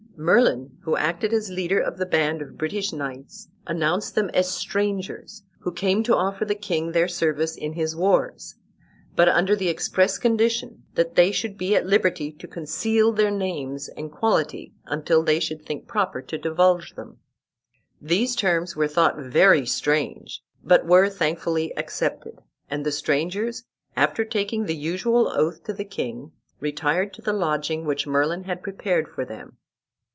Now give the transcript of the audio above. Merlin, who acted as leader of the band of British knights, announced them as strangers, who came to offer the king their services in his wars; but under the express condition that they should be at liberty to conceal their names and quality until they should think proper to divulge them. These terms were thought very strange, but were thankfully accepted, and the strangers, after taking the usual oath to the king, retired to the lodging which Merlin had prepared for them.